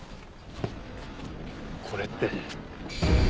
これって。